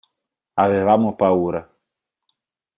Avevamo paura.